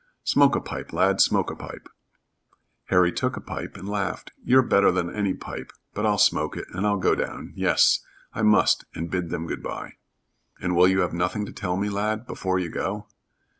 "Smoke a pipe, lad, smoke a pipe." Harry took a pipe and laughed. "You're better than any pipe, but I'll smoke it, and I'll go down, yes, I must, and bid them good by." "And will you have nothing to tell me, lad, before you go?"